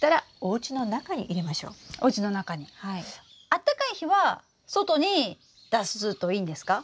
あったかい日は外に出すといいんですか？